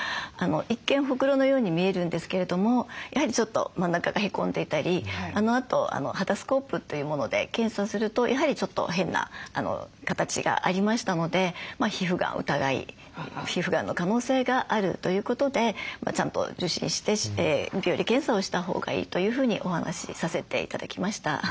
一見ほくろのように見えるんですけれどもやはりちょっと真ん中がへこんでいたりあのあと肌スコープというもので検査するとやはりちょっと変な形がありましたので皮膚がん疑い皮膚がんの可能性があるということでちゃんと受診して病理検査をしたほうがいいというふうにお話しさせて頂きました。